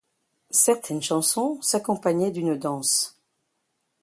Certaines chansons s'accompagnaient d'une danse.